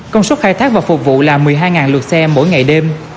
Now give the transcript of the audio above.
công suất khai thác và phục vụ là một mươi hai lượt xe mỗi ngày đêm